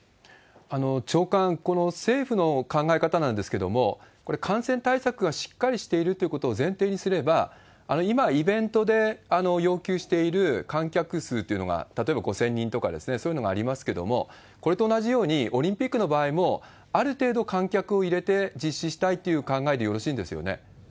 長官、この政府の考え方なんですけれども、これ、感染対策がしっかりしているということを前提にすれば、今、イベントで要求している観客数っていうのが、例えば５０００人とか、そういうのがありますけれども、これと同じように、オリンピックの場合も、ある程度観客を入れて実施したいという考えでよろしいんですよね